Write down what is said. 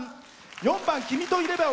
４番「君といれば」